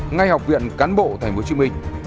ngay học viện cán bộ thành phố hồ chí minh